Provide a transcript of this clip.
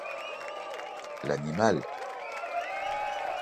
L'animal!